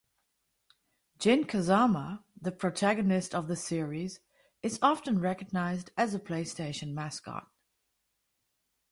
Jin Kazama, the protagonist of the series, is often recognized as a PlayStation mascot.